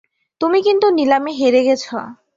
তুমি কিন্তু নিলামে হেরে গেছ।